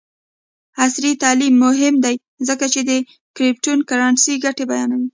عصري تعلیم مهم دی ځکه چې د کریپټو کرنسي ګټې بیانوي.